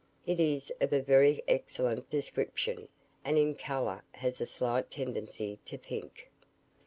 It is of a very excellent description, and in colour has a slight tendency to pink.